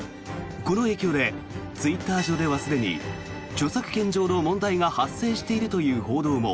この影響でツイッター上ではすでに著作権上の問題が発生しているという報道も。